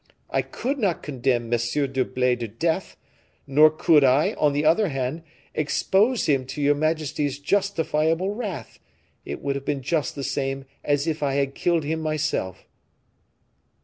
I could not condemn M. d'Herblay to death; nor could I, on the other hand, expose him to your majesty's justifiable wrath; it would have been just the same as if I had killed him myself."